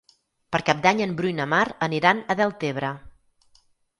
Per Cap d'Any en Bru i na Mar aniran a Deltebre.